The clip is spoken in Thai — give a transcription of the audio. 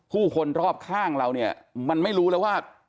ผู้คนรอบข้างเราเนี่ยมันไม่รู้แล้วว่า